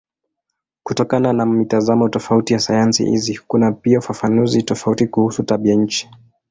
Kutokana na mitazamo tofauti ya sayansi hizi kuna pia ufafanuzi tofauti kuhusu tabianchi.